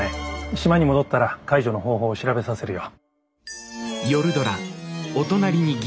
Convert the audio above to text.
島に戻ったら解除の方法を調べさせるよ。